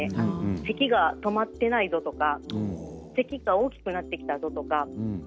せきが止まっていないぞとかせきが大きくなってきたとか。